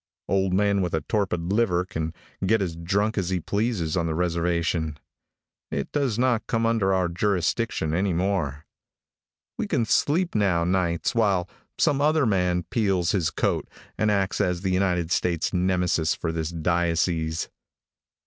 Old man with a torpid liver can go as drunk as he pleases on the reservation. It does not come under our jurisdiction any more. We can sleep now nights while some other man peels his coat, and acts as the United States nemesis for this diocese.